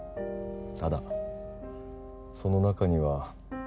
ただその中には